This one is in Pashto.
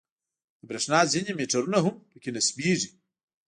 د برېښنا ځینې میټرونه هم په کې نصبېږي.